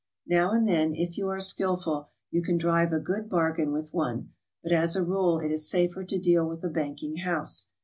Now and then, if you are skilful, you can drive a good bargain with one, but as a rule it is safer to deal with a banking house.